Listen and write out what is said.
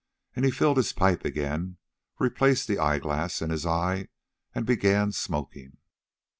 And he filled his pipe again, replaced the eyeglass in his eye, and began smoking.